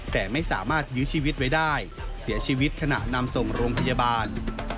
แต่ไม่สามารถยื้อชีวิตไว้ได้เสียชีวิตขณะนำส่งโรงพยาบาล